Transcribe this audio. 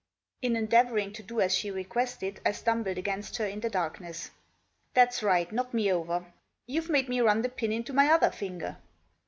* In endeavouring to do as she requested, I stumbled against her in the darkness. "That's right; knock me over; you've made me run the pin into my other finger.